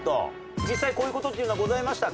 実際こういう事っていうのはございましたか？